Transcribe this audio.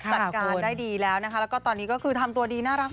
จัดการได้ดีแล้วนะคะแล้วก็ตอนนี้ก็คือทำตัวดีน่ารัก